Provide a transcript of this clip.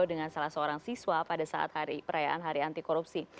dengan salah seorang siswa pada saat perayaan hari anti korupsi